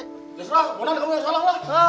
ya sudah mudah mudahan kamu yang salah lah